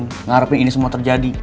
gak ngarepin yang ini semua terjadi